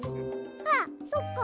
あっそっか。